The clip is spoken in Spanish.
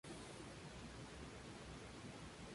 Comparte estilo de lucha con Ken Masters.